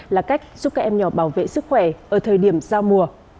là cách giúp các em nhỏ bảo vệ sức khỏe ở thời điểm giao mùa